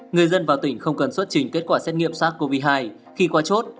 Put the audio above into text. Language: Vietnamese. người dân vào tỉnh không cần xuất trình kết quả xét nghiệm sars cov hai khi qua chốt